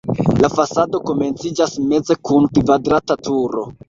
La fasado komenciĝas meze kun kvadrata turo.